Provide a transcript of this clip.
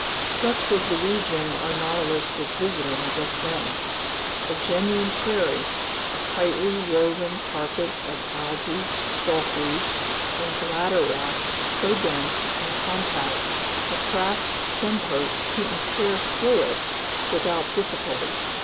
Such was the region our Nautilus was visiting just then: a genuine prairie, a tightly woven carpet of algae, gulfweed, and bladder wrack so dense and compact a craft's stempost couldn't tear through it without difficulty.